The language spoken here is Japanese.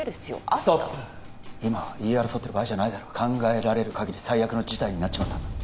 ストップ今は言い争ってる場合じゃないだろ考えられるかぎり最悪の事態になっちまったんだ